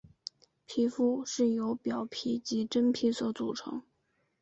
皮肤是由表皮及真皮所组成。